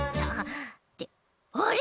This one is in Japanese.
ってあれ！？